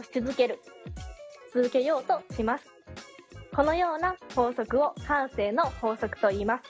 このような法則を慣性の法則といいます。